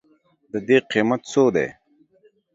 د دې قیمت څو دی؟